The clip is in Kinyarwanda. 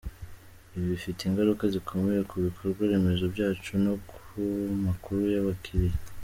Ibi bifite ingaruka zikomeye ku bikorwa remezo byacu no ku makuru y’abakiliya.